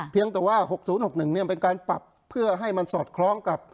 เพียงแต่ว่า๖๐๖๑เป็นการปรับเพื่อให้มันสอดคล้องกับ